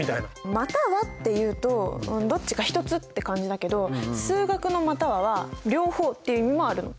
「または」っていうとどっちか一つって感じだけど数学の「または」は両方っていう意味もあるの。